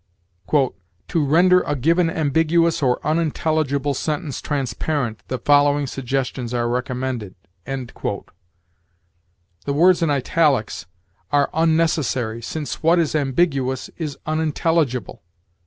"To render a given ambiguous or unintelligible sentence transparent, the following suggestions are recommended." The words in italics are unnecessary, since what is ambiguous is unintelligible.